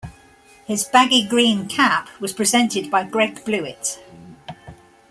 His baggy green cap was presented by Greg Blewett.